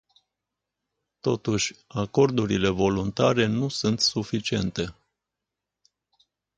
Totuși, acordurile voluntare nu sunt suficiente.